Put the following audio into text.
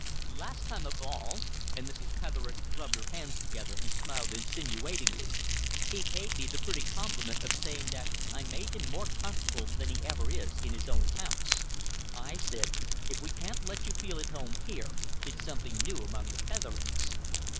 "Last time of all," and Mrs. Petherick rubbed her hands together and smiled insinuatingly, "he paid me the pretty compliment of saying that I made him more comfortable than he ever is in his own house. I said, 'If we can't let you feel at home here, it's something new among the Pethericks.'"